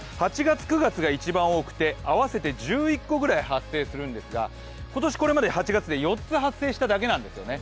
８月、９月が多くて合わせて１１個ぐらい発生するんですが今年これまで８月に４つ発生しただけなんですね。